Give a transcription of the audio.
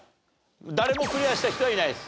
誰もクリアした人はいないです